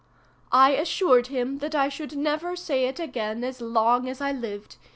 '" I assured him that I should never say it again as long as I lived.